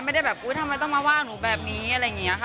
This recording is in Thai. ไม่ได้แบบอุ๊ยทำไมต้องมาว่าหนูแบบนี้อะไรอย่างนี้ค่ะ